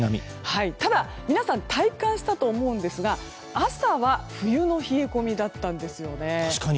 ただ、皆さん体感したと思うんですが朝は冬の冷え込みだったんですよね。